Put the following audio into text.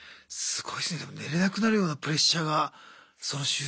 すごいですねでも寝れなくなるようなプレッシャーがその囚人から。